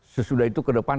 sesudah itu ke depan